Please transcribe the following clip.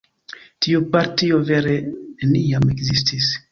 Tiu partio vere neniam ekzistis.